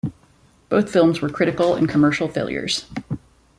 Both films were critical and commercial failures.